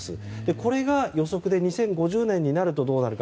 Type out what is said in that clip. これが、予測で２０５０年になるとどうなるか。